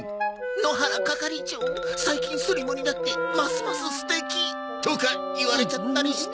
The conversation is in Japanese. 「野原係長最近スリムになってますます素敵！」とか言われちゃったりして。